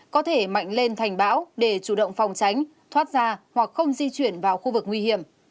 có thể mạnh lên thành bão để chủ động phòng tránh thoát ra hoặc không di chuyển vào khu vực nguy hiểm